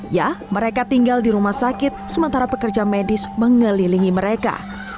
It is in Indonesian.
ya mereka tinggal di rumah sakit sementara pekerja medis mengelilingi mereka